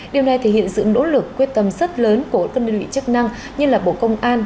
điều này thể hiện sự nỗ lực quyết tâm rất lớn của các đơn vị chức năng như là bộ công an